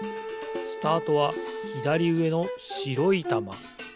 スタートはひだりうえのしろいたま。